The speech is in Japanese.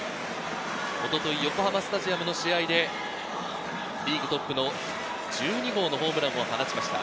一昨日、横浜スタジアムでリーグトップの１２号ホームランを放ちました。